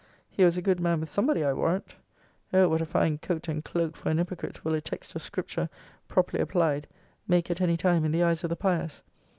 he was a good man with somebody, I warrant! O what a fine coat and cloke for an hypocrite will a text of scripture, properly applied, make at any time in the eyes of the pious!